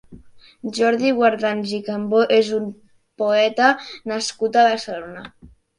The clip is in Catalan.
Jordi Guardans i Cambó és un poeta nascut a Barcelona.